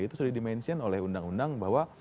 itu sudah dimention oleh undang undang bahwa